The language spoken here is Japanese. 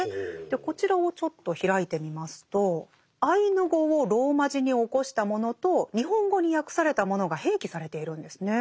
こちらをちょっと開いてみますとアイヌ語をローマ字に起こしたものと日本語に訳されたものが併記されているんですね。